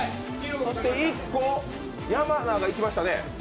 そして山名がいきましたね。